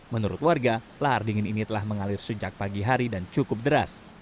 menurut warga lahar dingin ini telah mengalir sejak pagi hari dan cukup deras